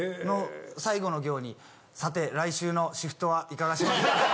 の最後の行に「さて来週のシフトはいかがしますか？」。